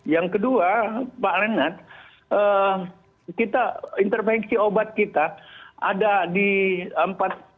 yang kedua pak renat kita intervensi obat kita ada di empat